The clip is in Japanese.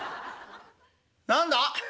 「何だ？」。